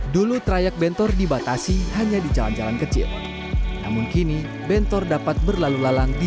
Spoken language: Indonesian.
dulu trayek bentor dibatasi hanya di jalan jalan kecil namun kini bentor dapat berlalu lalang di